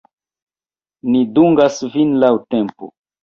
Ni dungas vin laŭ tempo.